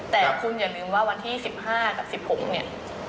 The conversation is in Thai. แต่คุณอย่าลืมว่าวันที่๑๕กับ๑๖เนี่ย